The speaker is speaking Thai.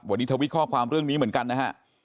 วันนี้ทวิตข้อความเรื่องนี้เหมือนกันนะฮะ